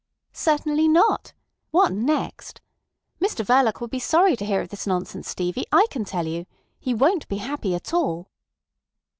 "Certainly not. What next! Mr Verloc will be sorry to hear of this nonsense, Stevie,—I can tell you. He won't be happy at all."